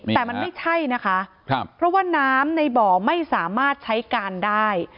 แต่มันไม่ใช่นะคะเพราะว่าน้ำในบ่อไม่สามารถใช้การได้